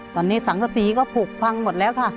ตอนนี้สังกษีก็ผูกพังหมดแล้วค่ะ